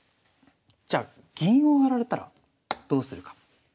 じゃあ銀を上がられたらどうするか。